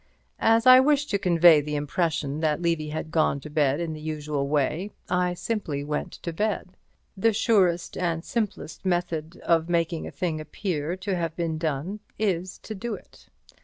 As I wished to convey the impression that Levy had gone to bed in the usual way, I simply went to bed. The surest and simplest method of making a thing appear to have been done is to do it.